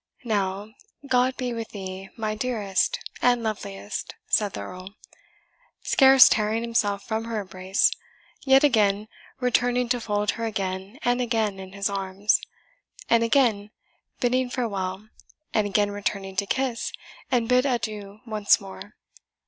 "Now, God be with thee, my dearest and loveliest!" said the Earl, scarce tearing himself from her embrace, yet again returning to fold her again and again in his arms, and again bidding farewell, and again returning to kiss and bid adieu once more.